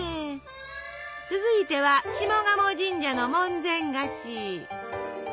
続いては下鴨神社の門前菓子。